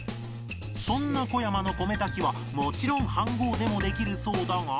そんな小山の米炊きはもちろん飯ごうでもできるそうだが